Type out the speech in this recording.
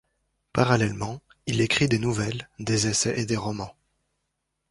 Parallèlement, il écrit des nouvelles, des essais et des romans.